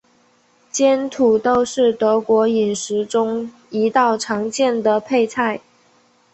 煎土豆是德国饮食中一道常见的配菜。